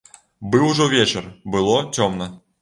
Быў ужо вечар, было цёмна.